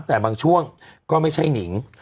แต่บางช่วงก็ไม่ใช่หนิง